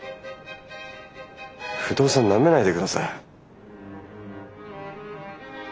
不動産なめないでください。